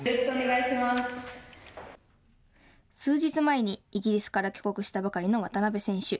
数日前にイギリスから帰国したばかりの渡部選手。